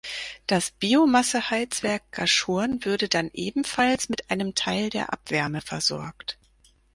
Das Biomasse-Heizwerk Gaschurn würde dann ebenfalls mit einem Teil der Abwärme versorgt.